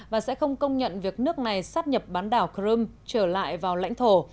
và sẽ không công nhận việc nước này sát nhập bán đảo crimea trở lại vào lãnh thổ